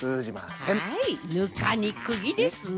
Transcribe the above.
「ぬかにくぎ」ですね。